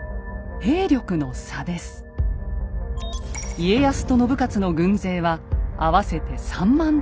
家康と信雄の軍勢は合わせて３万程度。